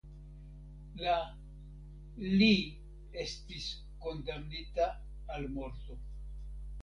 La li estis kondamnita al morto.